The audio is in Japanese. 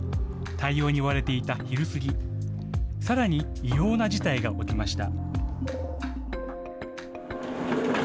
対応に追われていた昼過ぎ、さらに異様な事態が起きました。